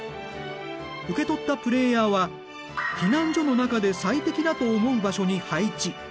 受け取ったプレイヤーは避難所の中で最適だと思う場所に配置。